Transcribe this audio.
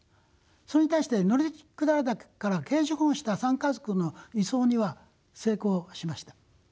それに対して乗鞍岳からケージ保護した３家族の輸送には成功しました。